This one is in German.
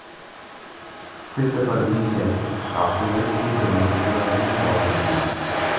Christopher Lee selbst sprach in höchsten Tönen über den Historienfilm.